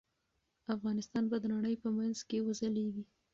افغانستان به د نړۍ په منځ کې وځليږي.